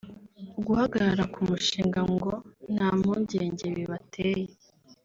Guhagarara k’umushinga ngo nta mpungenge bibateye